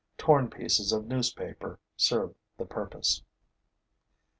Torn pieces of newspaper serve the purpose.